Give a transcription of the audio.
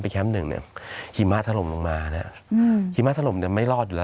ไปแคมป์หนึ่งเนี่ยหิมะทะลมลงมาน่ะอืมหิมะทะลมเนี่ยไม่รอดอยู่แล้ว